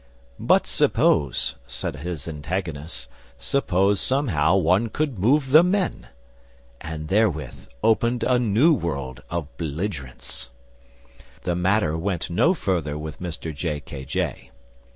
"But suppose," said his antagonists; "suppose somehow one could move the men!" and therewith opened a new world of belligerence. The matter went no further with Mr J. K. J.